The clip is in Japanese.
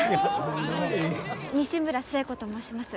西村寿恵子と申します。